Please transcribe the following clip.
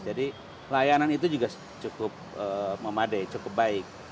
jadi layanan itu juga cukup memade cukup baik